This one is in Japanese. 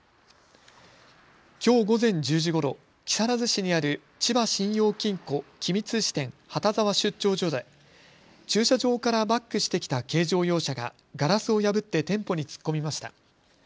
きょう午前１０時ごろ、木更津市にある千葉信用金庫君津支店畑沢出張所で駐車場からバックしてきた軽乗用車がガラスを破って店舗に突っ込みました。